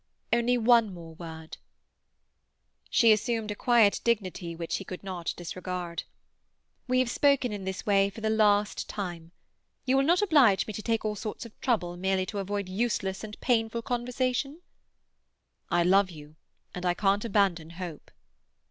"Only one more word." She assumed a quiet dignity which he could not disregard. "We have spoken in this way for the last time. You will not oblige me to take all sorts of trouble merely to avoid useless and painful conversations?" "I love you, and I can't abandon hope."